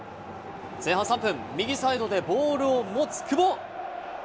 前半３分、右サイドでボールを持つ久保。